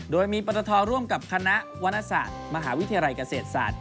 โดยมีปรตทร่วมกับคณะวรรณศาสตร์มหาวิทยาลัยเกษตรศาสตร์